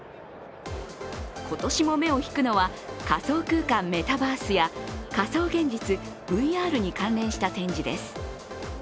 今年も目を引くのは仮想空間メタバースや仮想現実＝ＶＲに関連した展示です。